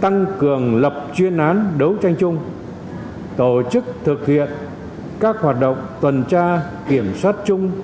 tăng cường lập chuyên án đấu tranh chung tổ chức thực hiện các hoạt động tuần tra kiểm soát chung